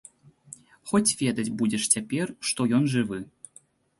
Хоць ведаць будзеш цяпер, што ён жывы.